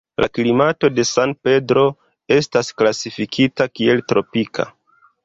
La klimato de San Pedro estas klasifikita kiel tropika.